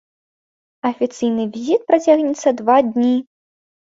Афіцыйны візіт працягнецца два дні.